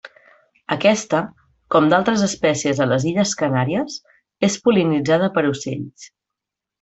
Aquesta, com d'altres espècies a les Illes Canàries, és pol·linitzada per ocells.